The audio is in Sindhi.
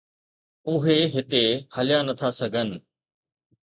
اهي هتي هليا نٿا سگهن.